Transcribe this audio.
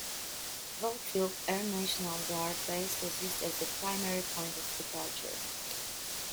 Volk Field Air National Guard Base was used as the primary point of departure.